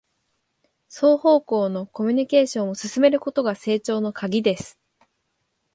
双方向のコミュニケーションを進めることが成長のカギです